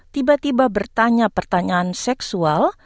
tiba tiba bertanya pertanyaan seksual